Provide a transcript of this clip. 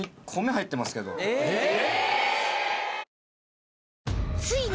えっ！